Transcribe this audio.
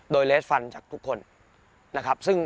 โดยเลสฟันจากทุกคนนะครับ